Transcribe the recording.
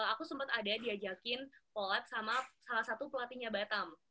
aku sempat ada diajakin polab sama salah satu pelatihnya batam